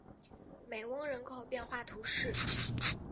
梅翁人口变化图示